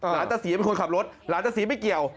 ตะศรีเป็นคนขับรถหลานตะศรีไม่เกี่ยว